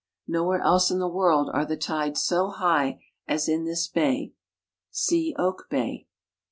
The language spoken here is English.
Nowhere else in the world are the tides so hiij;h as in this bay. (See Oak bay.)